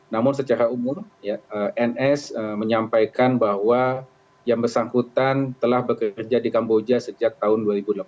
namun secara umum ns menyampaikan bahwa yang bersangkutan telah bekerja di kamboja sejak tahun dua ribu delapan belas